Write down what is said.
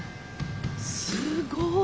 すごい。お。